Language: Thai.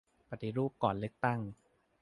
ปฏิรูปก่อนแต่งตั้ง